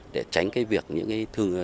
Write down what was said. để tránh việc những thương hiệu